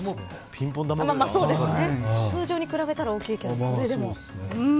通常に比べたら大きいけど、それでも。